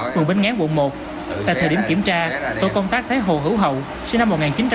quận bến ngán quận một tại thời điểm kiểm tra tổ công tác thái hồ hữu hậu sinh năm một nghìn chín trăm chín mươi bảy